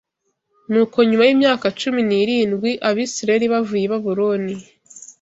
Nuko nyuma y’imyaka cumi n,irindwi Abisirayeli bavuye i Babuloni